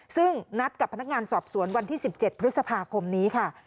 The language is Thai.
ซึ่งนัดกับพนักงานสอบสวนวันที่๑๗พฤษภาคมนี้ค่ะ